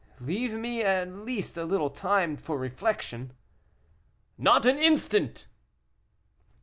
"Leave me at least a little time for reflection." "Not an instant!"